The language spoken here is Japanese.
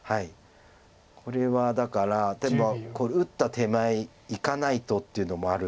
これはだから打った手前いかないとっていうのもあるので。